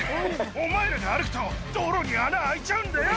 お前らが歩くと泥に穴開いちゃうんだよ！